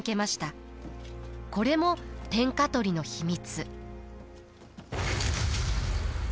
これも天下取りの秘密。